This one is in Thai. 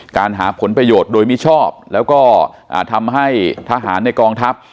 หาผลประโยชน์โดยมิชอบแล้วก็ทำให้ทหารในกองทัพ